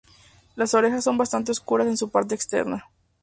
Las orejas son bastante oscuras en su parte externa.